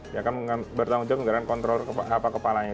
dia akan bertanggung jawab menggerakkan controller apa kepalanya